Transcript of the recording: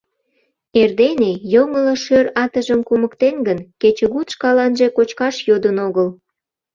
Эрдене йоҥылыш шӧр атыжым кумыктен гын, кечыгут шкаланже кочкаш йодын огыл.